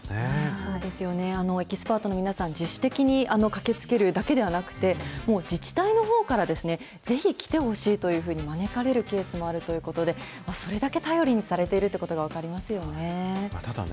そうですよね、エキスパートの皆さん、自主的に駆けつけるだけではなくて、自治体のほうから、ぜひ来てほしいというふうに招かれるケースもあるということで、それだけ頼りにされているということが分かりますよね。